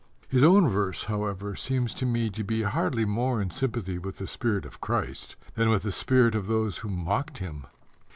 His own verse, however, seems to me to be hardly more in sympathy with the spirit of Christ than with the spirit of those who mocked him.